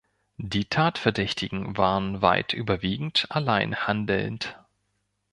Die Tatverdächtigen waren weit überwiegend allein handelnd.